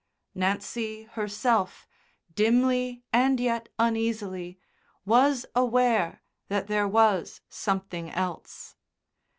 Nancy herself, dimly and yet uneasily, was aware that there was something else.